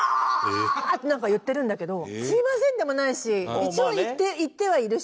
ってなんか言ってるんだけど「すいません」でもないし一応言ってはいるし。